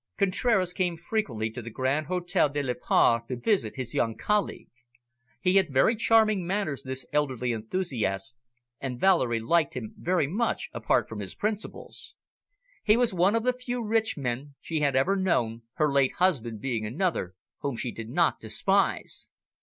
Contraras came frequently to the Grand Hotel de la Paix to visit his young colleague. He had very charming manners, this elderly enthusiast, and Valerie liked him very much, apart from his principles. He was one of the few rich men she had ever known, her late husband being another, whom she did not despise.